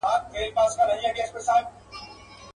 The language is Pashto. د ازلي قهرمانانو وطن.